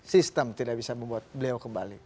sistem tidak bisa membuat beliau kembali